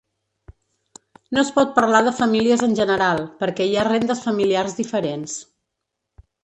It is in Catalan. No es pot parlar de famílies en general, perquè hi ha rendes familiars diferents.